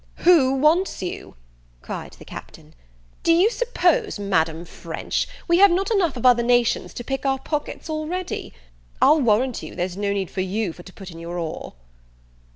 "Who wants you?" cried the Captain: "do you suppose, Madam French, we have not enough of other nations to pick our pockets already? I'll warrant you, there's no need for you for to put in your oar."